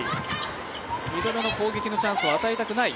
二度目の攻撃のチャンスを与えたくない。